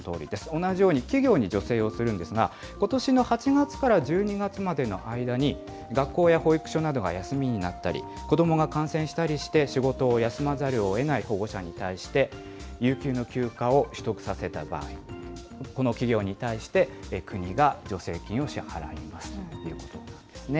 同じように企業に助成をするんですが、ことしの８月から１２月までの間に、学校や保育所などが休みになったり、子どもが感染したりして、仕事を休まざるをえない保護者に対して、有給の休暇を取得させた場合、この企業に対して国が助成金を支払いますということなんですね。